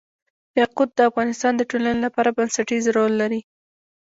یاقوت د افغانستان د ټولنې لپاره بنسټيز رول لري.